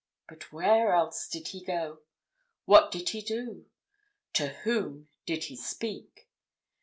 But where else did he go? What did he do? To whom did he speak?